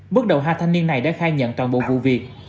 bước đầu hai thanh niên này đã khai nhận toàn bộ vụ việc